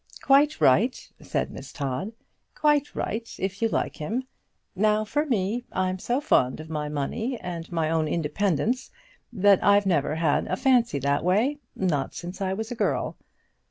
"Quite right," said Miss Todd; "quite right if you like him. Now for me, I'm so fond of my own money and my own independence, that I've never had a fancy that way, not since I was a girl."